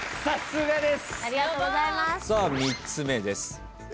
さあ３つ目です。